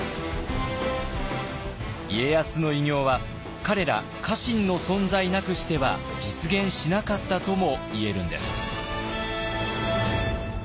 家康の偉業は彼ら家臣の存在なくしては実現しなかったともいえるんです。